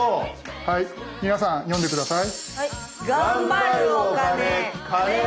はい皆さん読んで下さい！